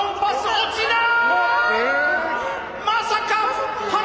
落ちない。